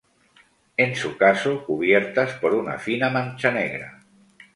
En su caso, cubiertas por una fina mancha negra.